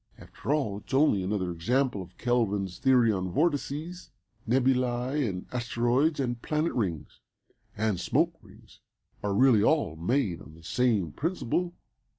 After all it's only another example of Kelvin's theory of vortices. Nebulæ, and asteroids, and planet rings, and smoke rings are really all made on the same principle."